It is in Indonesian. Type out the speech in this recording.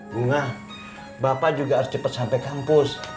bunga bapak juga harus cepet sampe kampus